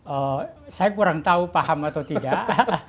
oh saya kurang tahu paham atau tidak